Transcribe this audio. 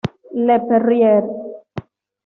Le Perrier